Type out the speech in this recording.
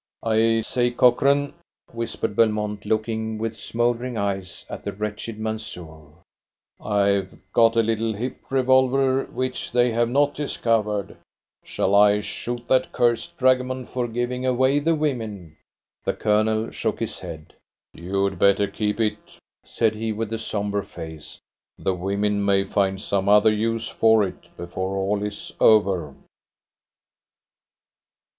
"I say, Cochrane," whispered Belmont, looking with smouldering eyes at the wretched Mansoor, "I've got a little hip revolver which they have not discovered. Shall I shoot that cursed dragoman for giving away the women?" The Colonel shook his head. "You had better keep it," said he, with a sombre face. "The women may find some other use for it before all is over."